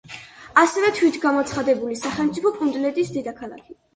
ასევე თვითგამოცხადებული სახელმწიფო პუნტლენდის დედაქალაქი.